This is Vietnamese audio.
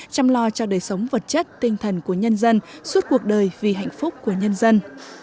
chăm lo cho đời sống vật chất tinh thần của nhân dân suốt cuộc đời vì hạnh phúc của nhân dân